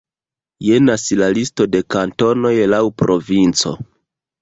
Jenas la listo de kantonoj laŭ provinco.